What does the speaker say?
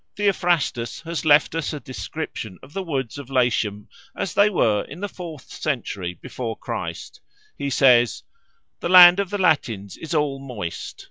Theophrastus has left us a description of the woods of Latium as they were in the fourth century before Christ. He says: "The land of the Latins is all moist.